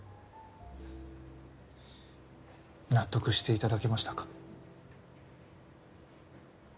納得していただけましたか？